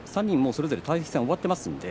それぞれ対戦が終わっています。